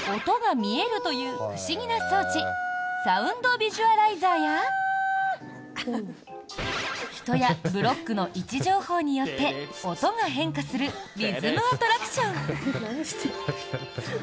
音が見えるという不思議な装置サウンドビジュアライザーや人やブロックの位置情報によって音が変化するリズムアトラクション。